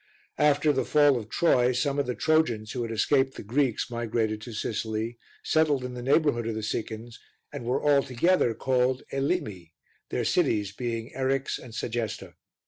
After the fall of Troy, some of the Trojans, who had escaped the Greeks, migrated to Sicily, settled in the neighbourhood of the Sicans and were all together called Elymi, their cities being Eryx and Segesta.